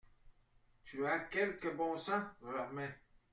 Tu as quelque bon sens, Germain.